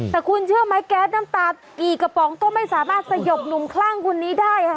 แต่คุณเชื่อไหมแก๊สน้ำตาลกี่กระป๋องก็ไม่สามารถสยบหนุ่มคลั่งคนนี้ได้ค่ะ